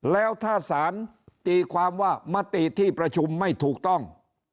แล้วถ้าสารตีความว่ามติที่ประชุมไม่ถูกต้อง